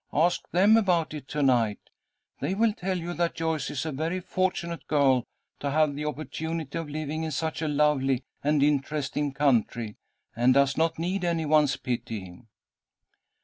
Ask them about it to night. They will tell you that Joyce is a very fortunate girl to have the opportunity of living in such a lovely and interesting country, and does not need any one's pity."